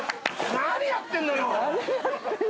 何やってんだよ。